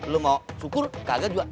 lo mau syukur kagak juga